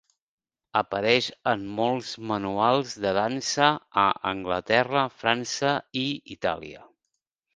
Apareix en molts manuals de dansa a Anglaterra, França i Itàlia.